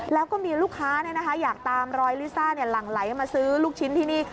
แล้วก็มีลูกค้าอยากตามรอยลิซ่าหลั่งไหลมาซื้อลูกชิ้นที่นี่